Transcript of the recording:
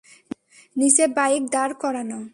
নিচে বাইক দাঁড় করানো।